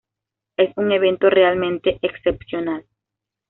Es un evento realmente excepcional.